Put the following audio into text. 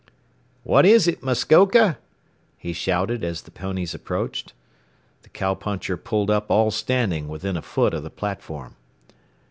"What is it, Muskoka?" he shouted as the ponies approached. The cow puncher pulled up all standing within a foot of the platform.